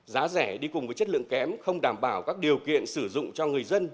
giá rẻ đi cùng với chất lượng kém không đảm bảo các điều kiện sử dụng cho người dân